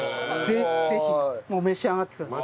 ぜひぜひもう召し上がってください。